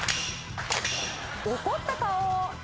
怒った顔。